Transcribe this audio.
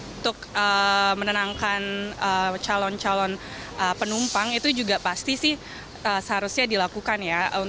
untuk menenangkan calon calon penumpang itu juga pasti sih seharusnya dilakukan ya